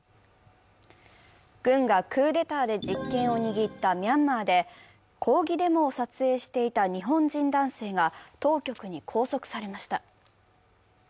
軍がクーデターで実権を握ったミャンマーで抗議デモを撮影していた日本人男性が当局に拘束されました。